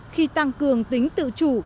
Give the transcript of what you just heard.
khi tăng cường tính tự chủ